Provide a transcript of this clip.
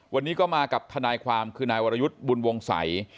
วันนี้ก็มากับทนายความคือนายวรยุทธ์บุญวงศัย